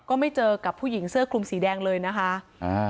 ก็ไม่เจอกับผู้หญิงเสื้อคลุมสีแดงเลยนะคะอ่า